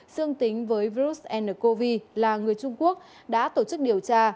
dương tính với virus ncov là người trung quốc đã tổ chức điều tra